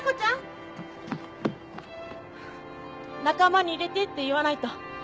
仲間に入れてって言わないと